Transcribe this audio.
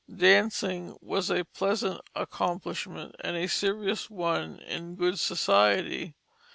Dancing was a pleasant accomplishment, and a serious one in good society.